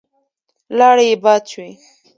لاړې يې باد شوې.